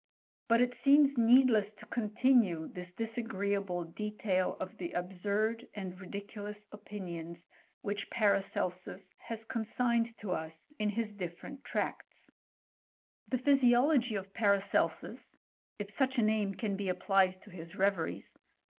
But it seems needless to continue this dis agreeable detaD of the absurd and ridiculous opinions which Paracelsus has consigned to us in his different tracts. The Physiology of Paracelsus (if such a name can he applied to his reveries).